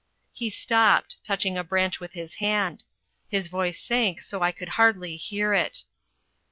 He stopped touching a branch with his hand. His voice sank so I could hardly hear it.